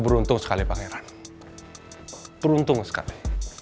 beruntung sekali pangeran beruntung sekali